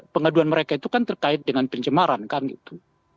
pengaduan mereka itu kan terkait dengan pencemaran kan gitu